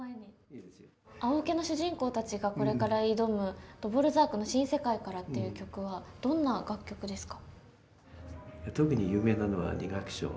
「青オケ」の主人公たちがこれから挑むドヴォルザークの「新世界から」っていう曲はどんな楽曲ですか？